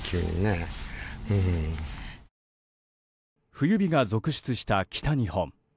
冬日が続出した北日本。